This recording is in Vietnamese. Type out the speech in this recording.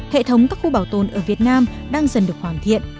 hệ thống các khu bảo tồn ở việt nam đang dần được hoàn thiện